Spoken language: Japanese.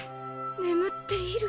眠っている？